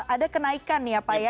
ada kenaikan ya pak ya